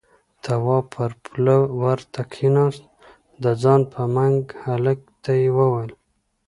تواب پر پوله ورته کېناست، د ځان په منګ هلک ته يې وويل: